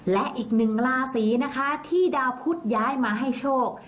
และอีกหนึ่งราศีนะคะที่ดาวพุทธย้ายมาให้โชค